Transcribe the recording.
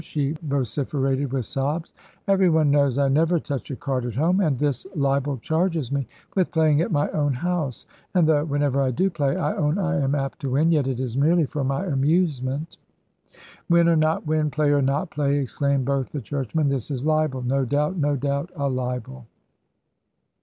she vociferated with sobs. "Every one knows I never touch a card at home, and this libel charges me with playing at my own house; and though, whenever I do play, I own I am apt to win, yet it is merely for my amusement." "Win or not win, play or not play," exclaimed both the churchmen, "this is a libel no doubt, no doubt, a libel."